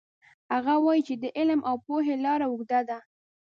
هغه وایي چې د علم او پوهې لار اوږده ده